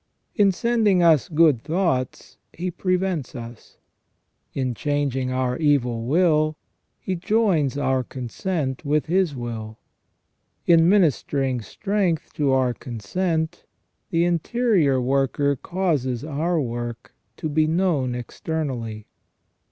In sending us good thoughts He prevents us; in changing our evil will He joins our consent with His will ; in ministering strength to our consent the Interior Worker causes our work to be known externally.